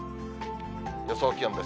予想気温です。